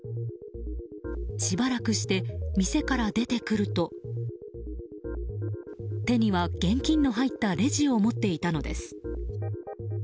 しばらくして、店から出てくると手には現金の入ったレジを持っていたのです。